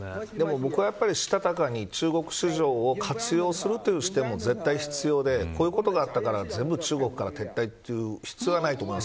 僕はしたたかに中国市場を活用する視点も必要でこういうことがあったから全部中国から撤退する必要はないと思います。